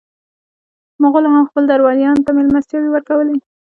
مغولو هم خپلو درباریانو ته مېلمستیاوې ورکولې.